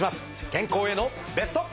健康へのベスト。